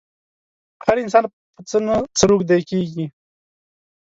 هر انسان په څه نه څه روږدی کېږي.